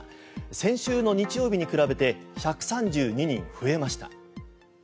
先週の日曜日に比べて１３２人増えました。